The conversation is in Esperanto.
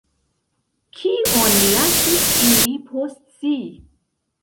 Kion lasis ili post si?